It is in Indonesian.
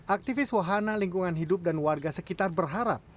aktivis wahana lingkungan hidup dan warga sekitar berharap